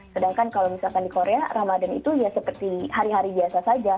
sedangkan kalau misalkan di korea ramadhan itu ya seperti hari hari biasa saja